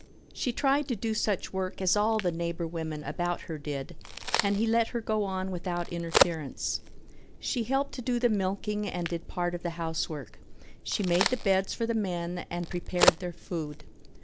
She tried to do such work as all the neighbor women about her did and he let her go on without interference. She helped to do the milking and did part of the housework; she made the beds for the men and prepared their food.